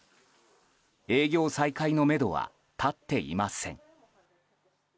営業再開のめどは立っていません。